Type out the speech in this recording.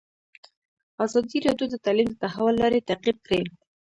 ازادي راډیو د تعلیم د تحول لړۍ تعقیب کړې.